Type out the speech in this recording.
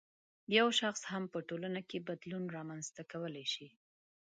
یو شخص هم په ټولنه کې بدلون رامنځته کولای شي